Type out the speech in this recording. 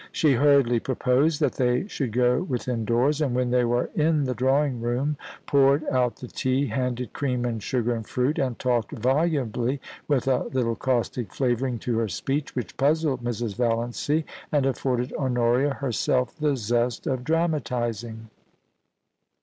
She hurriedly proposed that they should go within doors, and when they were in the drawing room poured out the tea, handed cream and sugar and fruit, and talked volubly, w^ith a little caustic flavouring to her speech, which puzzled Mrs. Valiancy, and afforded Honoria herself the zest of. dramatising.